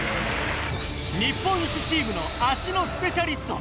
日本一チームの足のスペシャリスト